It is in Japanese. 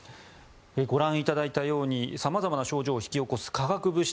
ご覧いただいたように様々な症状を引き起こす化学物質